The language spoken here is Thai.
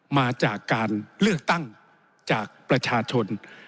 มาจากการเลือกตั้งจากประชาชน